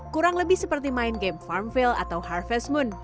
kurang lebih seperti main game farmfill atau harvest moon